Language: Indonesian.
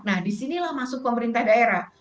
nah disinilah masuk pemerintah daerah